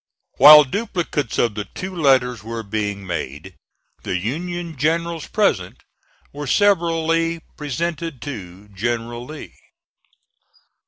While duplicates of the two letters were being made, the Union generals present were severally presented to General Lee.